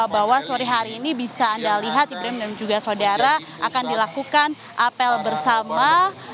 bahwa sore hari ini bisa anda lihat ibrim dan juga saudara akan dilakukan apel bersama